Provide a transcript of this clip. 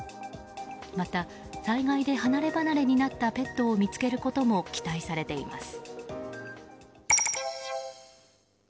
また、災害で離ればなれになったペットを見つけることも期待されています。